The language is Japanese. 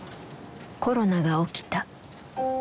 コロナが起きた。